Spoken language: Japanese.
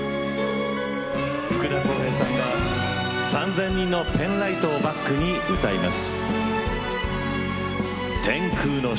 福田こうへいさんが３０００人のペンライトをバックに歌います。